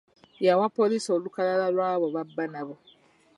Yawa poliisi olukalala lw'abo b'abba nabo.